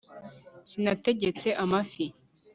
sinategetse amafi